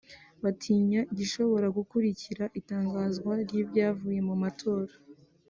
batinya igishobora gukurikira itangazwa ry’ibyavuye mu matora